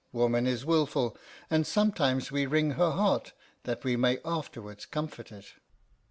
Woman is wilful, and sometimes we wring her heart that we may afterwards comfort it."